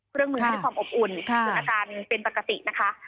เครื่องมือให้ความอบอุ่นจนอาการเป็นปกตินะคะ